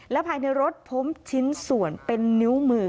และภายในรถพบชิ้นส่วนเป็นนิ้วมือ